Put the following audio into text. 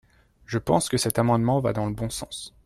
Je pense que cet amendement va dans le bon sens.